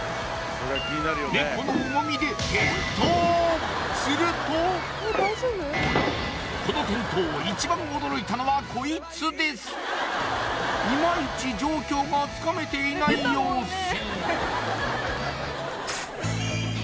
ネコの重みで転倒するとこの転倒一番驚いたのはこいつですいまいち状況がつかめていない様子